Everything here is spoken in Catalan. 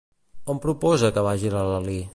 On proposa que vagi la Lalí?